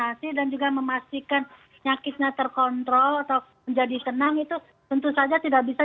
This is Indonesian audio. untuk memastikan penyakit terkontrol atau menjadi tenang itu tentu saja tidak bisa